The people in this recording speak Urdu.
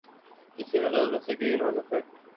اسی مناسبت سے گرین ہاؤس ایفیکٹ